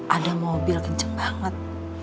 ada mobil kenceng banget